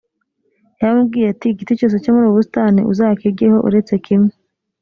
yaramubwiye ati “igiti cyose cyo muri ubu busitani uzakiryeho uretse kimwe”